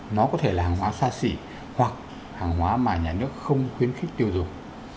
nó có thể là hàng hóa xa xỉ hoặc hàng hóa mà nhà nước không khuyến khích tiêu dùng